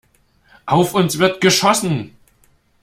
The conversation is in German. Auf uns wird geschossen!